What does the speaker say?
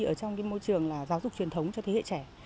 ở trong cái môi trường là giáo dục truyền thống cho thế hệ trẻ